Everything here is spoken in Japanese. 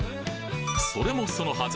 それもそのはず